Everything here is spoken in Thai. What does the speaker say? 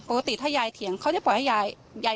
ปกติถ้ายายเถียงเขาจะปล่อยให้ยายยาย